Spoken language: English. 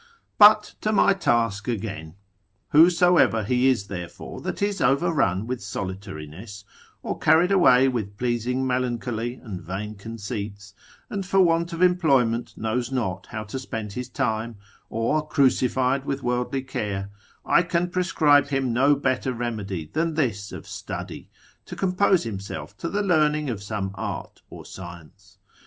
But to my task again. Whosoever he is therefore that is overrun with solitariness, or carried away with pleasing melancholy and vain conceits, and for want of employment knows not how to spend his time, or crucified with worldly care, I can prescribe him no better remedy than this of study, to compose himself to the learning of some art or science.